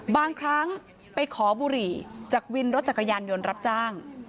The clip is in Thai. บางครั้งไปขอบุหรี่จากวินรถจักรยานยนต์รับจ้าง